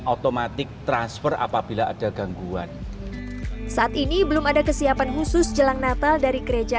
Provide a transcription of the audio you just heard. otomatis transfer apabila ada gangguan saat ini belum ada kesiapan khusus jelang natal dari gereja